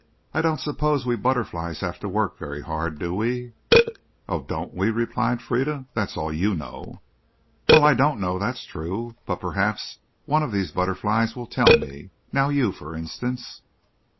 I don't suppose we butterflies have to work very hard, do we?" "Oh, don't we," replied Frieda. "That's all you know." "Well, I don't know, that's true, but perhaps one of these butterflies will tell me. Now you, for instance."